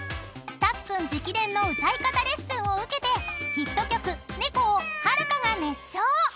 ［タックン直伝の歌い方レッスンを受けてヒット曲『猫』をはるかが熱唱］